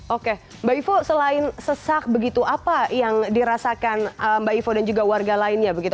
oke mbak ivo selain sesak begitu apa yang dirasakan mbak ivo dan juga warga lainnya begitu